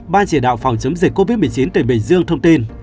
ban chỉ đạo phòng chống dịch covid một mươi chín tỉnh bình dương thông tin